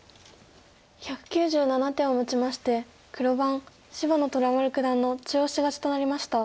１９７手をもちまして黒番芝野虎丸九段の中押し勝ちとなりました。